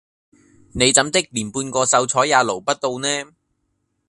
你怎的連半個秀才也撈不到呢